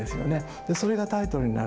それがタイトルになる。